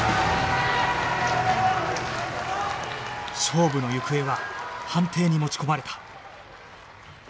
勝負の行方は判定に持ち込まれた